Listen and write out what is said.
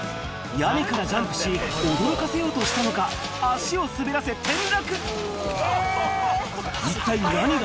屋根からジャンプし、驚かせようとしたのか、足を滑らせ転落。